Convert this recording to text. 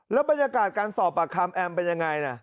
แล้วบรรยากาศการสอบปากคำแอมเป็นยังไงนะ